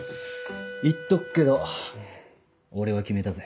言っとくけど俺は決めたぜ。